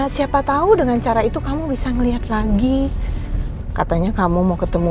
siapa tahu dengan cara itu kamu bisa melihat lagi katanya kamu mau ketemu